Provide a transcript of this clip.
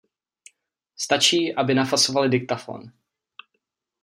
Stačí, aby nafasovali diktafon.